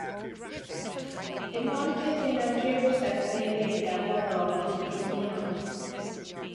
Dim ond tipyn i jips a grefi gafodd o i ginio.